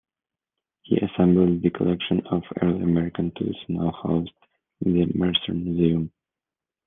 He assembled the collection of early American tools now housed in the Mercer Museum.